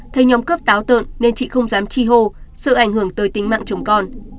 thầy nhóm cướp táo tợn nên chị không dám chi hô sự ảnh hưởng tới tính mạng chồng con